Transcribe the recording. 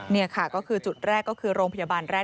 นี่ค่ะก็คือจุดแรกก็คือโรงพยาบาลแรก